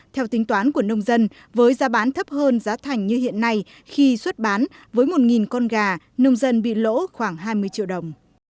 theo tính toán của nông dân với giá bán thấp hơn giá thành như hiện nay khi xuất bán với một con gà nông dân bị lỗ khoảng hai mươi triệu đồng